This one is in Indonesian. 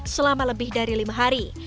selama lebih dari lima hari